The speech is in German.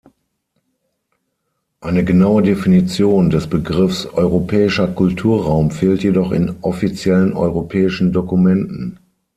Eine genaue Definition des Begriffs „europäischer Kulturraum“ fehlt jedoch in offiziellen europäischen Dokumenten.